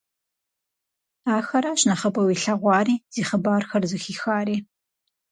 Ахэращ нэхъыбэу илъэгъуари, зи хъыбархэр зэхихари.